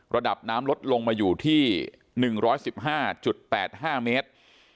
ระดับน้ำลดลงมาอยู่ที่๑๑๕๘๕เมตร